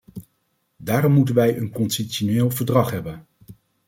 Daarom moeten wij een constitutioneel verdrag hebben.